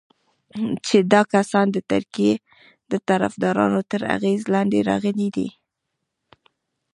چې دا کسان د ترکیې د طرفدارانو تر اغېز لاندې راغلي دي.